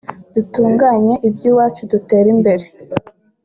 dutunganye iby’iwacu dutere imbere